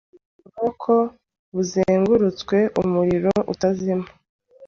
muburoko buzengurutswe numuriro utazima